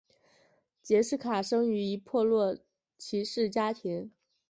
杰式卡生于一破落骑士家庭。